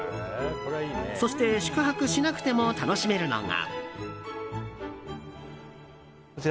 そして宿泊しなくても楽しめるのが。